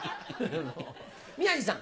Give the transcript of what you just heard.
宮治さん。